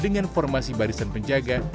dengan formasi barisan penjaga